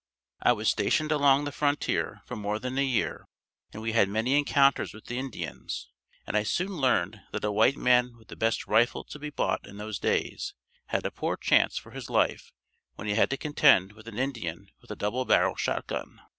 I was stationed along the frontier for more than a year and we had many encounters with the Indians, and I soon learned that a white man with the best rifle to be bought in those days had a poor chance for his life when he had to contend with an Indian with a double barrel shot gun.